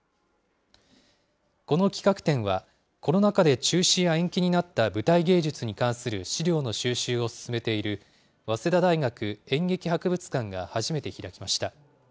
この企画展は、コロナ禍で中止や延期になった舞台芸術に関する資料の収集を進めている、早稲田大学演劇博物館が初めて開きました。